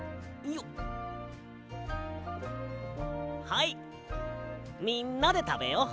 はいみんなでたべよう。